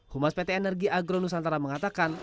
humas pt energi agro nusantara mengatakan